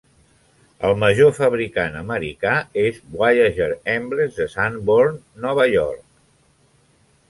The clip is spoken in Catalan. El major fabricant americà és Voyager Emblems de Sanborn, Nova York.